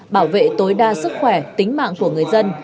bảo vệ tối đa sức khỏe tính mạng của người dân